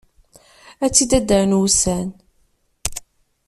Ad t-id-addren wussan!